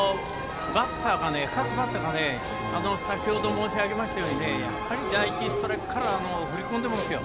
各バッターがね先ほど、申し上げましたようにツーストライクから振り込んでいますよ。